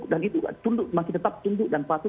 dan itu masih tetap tunduk dan pasu